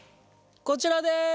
こちらです。